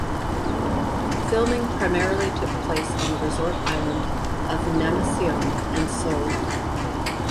Filming primarily took place on the resort island of Namiseom and Seoul.